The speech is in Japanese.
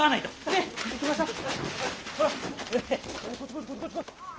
ねっ行きましょう！